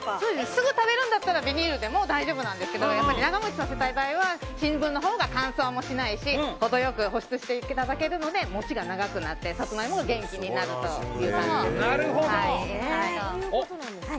すぐ食べるんだったらビニールでも大丈夫なんですが長持ちさせたい場合は新聞のほうが乾燥もしないし程良く保湿していただけるので持ちが長くなって、サツマイモが元気になるということです。